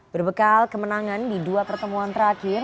berbekal kemenangan di dua pertemuan terakhir